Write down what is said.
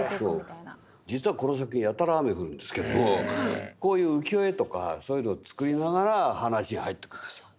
実はこの作品やたら雨が降るんですけどもこういう浮世絵とかそういうのを作りながら話に入っていく。